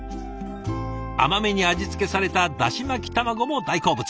甘めに味付けされただし巻き卵も大好物。